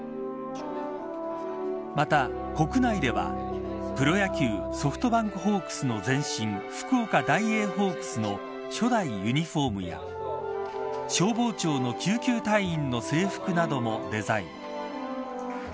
また、国内ではプロ野球ソフトバンクホークスの前身福岡ダイエーホークスの初代ユニホームや消防庁の救急隊員の制服などもデザイン。